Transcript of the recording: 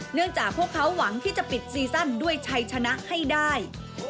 จากพวกเขาหวังที่จะปิดซีซั่นด้วยชัยชนะให้ได้